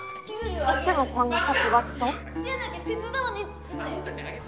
いつもこんな殺伐と？じゃなきゃ手伝わねえっつってんだよ！